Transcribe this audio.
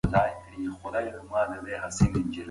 ارمان کاکا د معلم غني د غږ په اورېدو سره له خپلو خیالونو ووت.